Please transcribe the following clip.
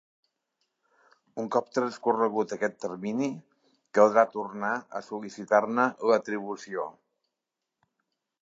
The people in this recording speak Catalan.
Un cop transcorregut aquest termini caldrà tornar a sol·licitar-ne l'atribució.